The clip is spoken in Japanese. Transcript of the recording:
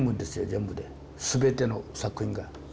全部で全ての作品が。